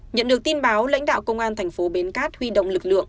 nhận được tin báo lãnh đạo công an tp bến cát huy động lực lượng